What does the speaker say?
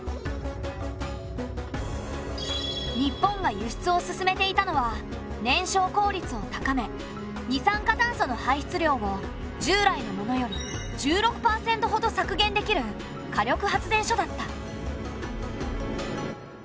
日本が輸出を進めていたのは燃焼効率を高め二酸化炭素の排出量を従来のものより１６％ほど削減できる火力発電所だった。